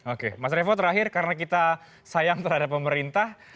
oke mas revo terakhir karena kita sayang terhadap pemerintah